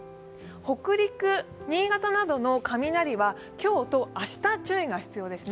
北陸、新潟などの雷は今日と明日注意が必要ですね。